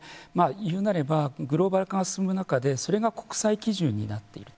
言うなればグローバル化が進む中でそれが国際基準になっている。